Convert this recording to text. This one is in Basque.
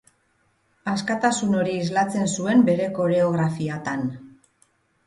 Askatasun hori islatzen zuen bere koreografiatan.